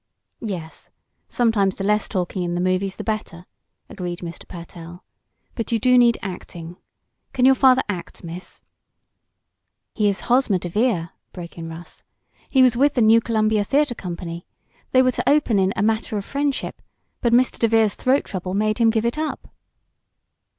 "Yes, sometimes the less talking in the movies the better," agreed Mr. Pertell. "But you do need acting. Can your father act, Miss?" "He is Hosmer DeVere," broke in Russ. "He was with the New Columbia Theatre Company. They were to open in 'A Matter of Friendship,' but Mr. DeVere's throat trouble made him give it up."